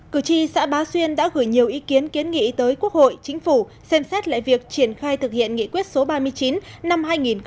cử tri xã bá xuyên đã gửi nhiều ý kiến kiến nghị tới quốc hội chính phủ xem xét lại việc triển khai thực hiện nghị quyết số ba mươi chín năm hai nghìn một mươi bảy